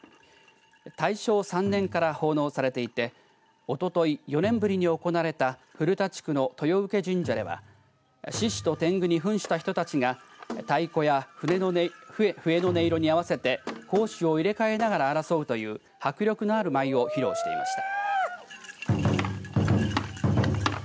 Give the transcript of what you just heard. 大正３年から奉納されていておととい、４年ぶりに行われた古田地区の豊受神社では獅子とてんぐにふんした人たちが太鼓や笛の音色に合わせて攻守を入れ替えながら争うという迫力のある舞を披露していました。